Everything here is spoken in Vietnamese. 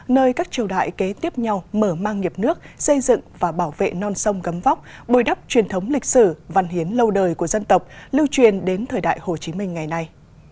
nơi các triều đại kế tiếp nhau mở mang nghiệp nước xây dựng và bảo vệ non sông gấm vóc bồi đắp truyền thống lịch sử văn hiến lâu đời của dân tộc lưu truyền đến thời đại hồ chí minh ngày nay